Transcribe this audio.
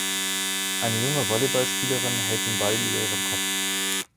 Eine junge Volleyballspielerin hält den Ball über ihrem Kopf.